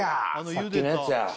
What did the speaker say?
さっきのやつや。